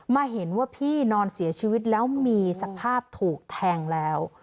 มาเห็นว่าพี่นอนเสียชีวิตแล้วมีสภาพถูกแทงแล้ว